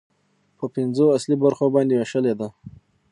په پنځو اصلي برخو باندې ويشلې ده